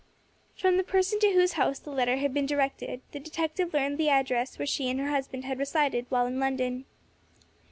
From the person to whose house the letter had been directed the detective learned the address where she and her husband had resided while in London.